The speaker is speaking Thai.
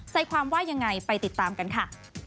ใจความว่ายังไงไปติดตามกันค่ะ